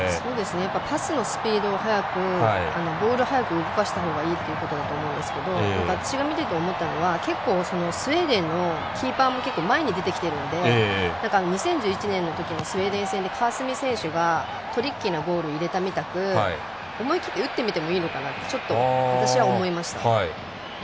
やっぱパスのスピードを速くボールを速く動かしたほうがいいってことなんですけど私が見てて思ったのはスウェーデンのキーパーが前に出てきてるので２０１１年のときのスウェーデン戦で川澄選手がトリッキーなゴールを入れたみたく思い切って打ってみてもいいのかなってちょっと私は思いました。